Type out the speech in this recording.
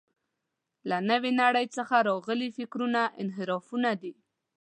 له نوې نړۍ څخه راغلي فکرونه انحرافونه دي.